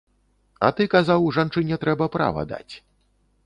А ты казаў жанчыне трэба права даць.